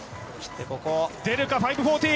出るか５４０。